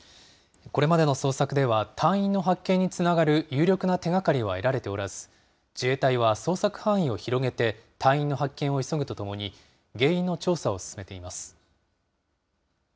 これまでの捜索では、隊員の発見につながる有力な手がかりは得られておらず、自衛隊は捜索範囲を広げて隊員の発見を急ぐとともに、原因の調査を進めています。